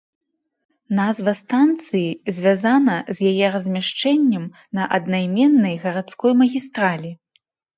Назва станцыі звязана з яе размяшчэннем на аднайменнай гарадской магістралі.